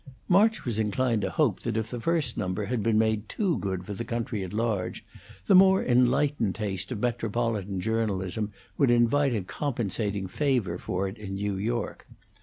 March was inclined to hope that if the first number had been made too good for the country at large, the more enlightened taste of metropolitan journalism would invite a compensating favor for it in New York.